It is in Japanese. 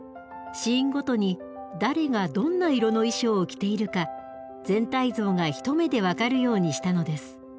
シーンごとに誰がどんな色の衣装を着ているか全体像が一目で分かるようにしたのです。